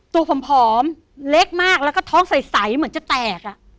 ผอมเล็กมากแล้วก็ท้องใสเหมือนจะแตก